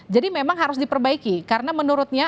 jadi memang harus diperbaiki karena menurutnya